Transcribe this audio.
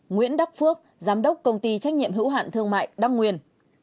năm nguyễn đắc phước giám đốc công ty trách nhiệm hữu hạn thương mại đăng nguyên